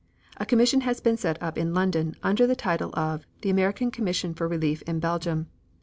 A commission has been set up in London, under the title of The American Commission for Relief in Belgium.